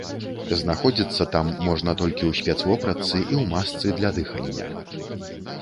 Знаходзіцца там можна толькі ў спецвопратцы і ў масцы для дыхання.